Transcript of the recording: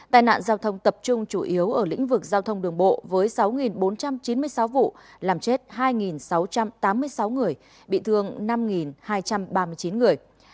tai nạn giao thông tập trung chủ yếu ở lĩnh vực giao thông đường bộ với sáu bốn trăm chín mươi sáu vụ làm chết hai sáu trăm tám mươi sáu người bị thương năm hai trăm ba mươi chín người